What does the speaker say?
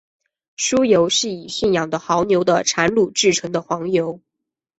酥油是以驯养的牦牛的产乳制成的黄油。